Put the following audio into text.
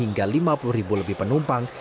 hingga lima puluh ribu lebih penumpang